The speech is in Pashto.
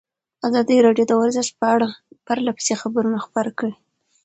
ازادي راډیو د ورزش په اړه پرله پسې خبرونه خپاره کړي.